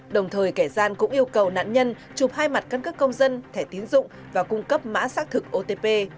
đồng thời kẻ gian cũng yêu cầu nạn nhân chụp hai mặt căn cước công dân thẻ tiến dụng và cung cấp mã xác thực otp